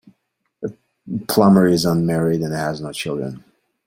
Plummer is unmarried and has no children.